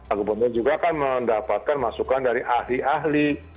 agung bondo juga akan mendapatkan masukan dari ahli ahli